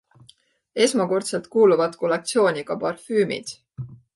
Esmakordselt kuuluvad kollektsiooni ka parfüümid.